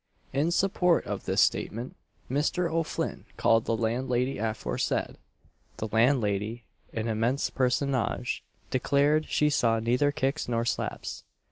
In support of this statement Mr. O'Flinn called the landlady aforesaid. The landlady (an immense personage) declared she saw neither kicks nor slaps.